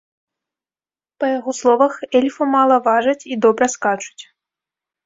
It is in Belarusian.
Па яго словах, эльфы мала важаць і добра скачуць.